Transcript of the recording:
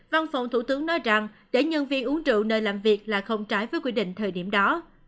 văn phòng thủ tướng nói rằng để nhân viên uống rượu nơi làm việc là không trái với quy định thời điểm đó